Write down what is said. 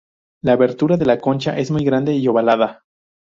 La abertura de la concha es muy grande y ovalada.